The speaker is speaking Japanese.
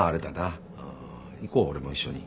ん行こう俺も一緒に。